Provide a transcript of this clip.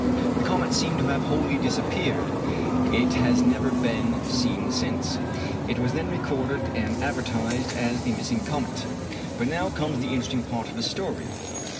The comet seemed to have wholly disappeared. It has never been seen since. It was then recorded and advertised as the missing comet. But now comes the interesting part of the story.